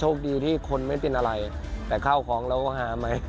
คดีที่คนไม่เป็นอะไรแต่ข้าวของเราก็หาไหม